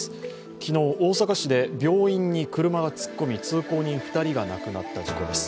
昨日、大阪市で病院に車が突っ込み通行人２人が亡くなった事故です。